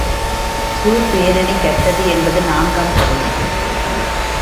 சூர்ப் பேரணி கெட்டது என்பது நான்காம் பகுதி.